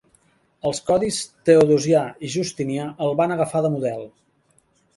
Els codis Teodosià i Justinià el van agafar de model.